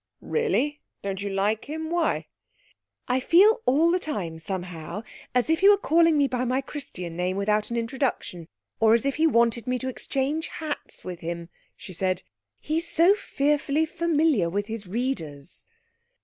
'Really! Don't you like him? Why?' 'I feel all the time, somehow, as if he were calling me by my Christian name without an introduction, or as if he wanted me to exchange hats with him,' she said. 'He's so fearfully familiar with his readers.'